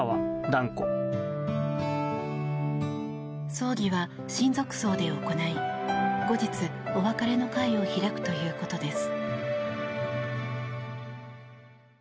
葬儀は親族葬で行い後日、お別れの会を開くということです。